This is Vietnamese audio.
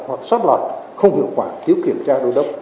hoặc xót lọt không hiệu quả thiếu kiểm tra đô đốc